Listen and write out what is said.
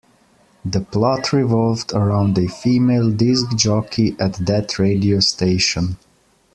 The plot revolved around a female disc jockey at that radio station.